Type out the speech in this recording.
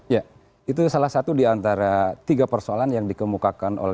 ya itu salah satu diantara tiga persoalan yang dikemukakan